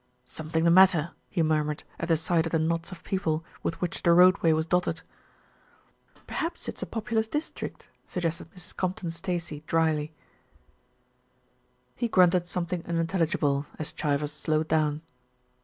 "Something the matter," he murmured, at the sight of the krtots of people with which the roadway was dotted. "Perhaps it's a populous district," suggested Mrs. Compton Stacey drily. 320 THE RETURN OF ALFRED He grunted something unintelligible, as Chivers slowed down.